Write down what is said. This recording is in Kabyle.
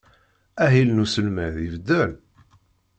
Ahil n uselmed ibeddel?